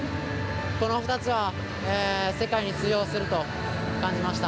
この２つは、世界に通用すると感じました。